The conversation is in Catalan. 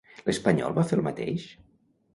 L'espanyol va fer el mateix?